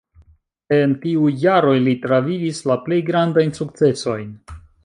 En tiuj jaroj li travivis la plej grandajn sukcesojn.